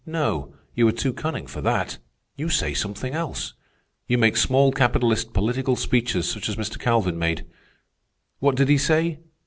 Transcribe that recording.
No, you are too cunning for that. You say something else. You make small capitalist political speeches such as Mr. Calvin made. What did he say?